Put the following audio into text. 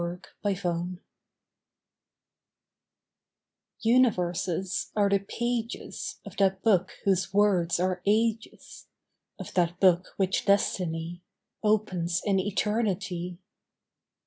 PROCESSIONAL Universes are the pages Of that book whose words are ages; Of that book which destiny Opens in eternity.